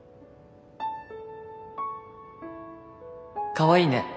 かわいいね。